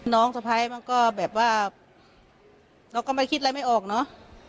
สะพ้ายมันก็แบบว่าเราก็ไม่คิดอะไรไม่ออกเนอะ